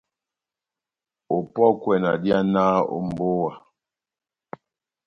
Opɔ́kwɛ na dihanaha ó mbówa.